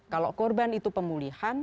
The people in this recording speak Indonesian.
kalau korban itu pemulihan